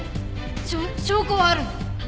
しょ証拠はあるの？